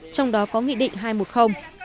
trong đó có nghị định hai trăm một mươi